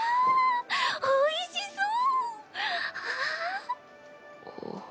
おいしそう！